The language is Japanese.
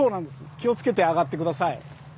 気をつけて上がって下さい。